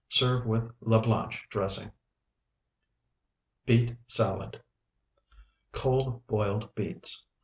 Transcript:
Serve with La Blanche dressing. BEET SALAD Cold, boiled beets.